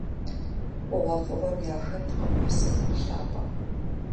ХъугъуэфӀыгъуэм яхэткъым псым нэхъ лъапӀэ.